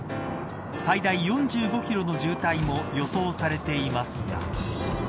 最大４５キロの渋滞も予想されていますが。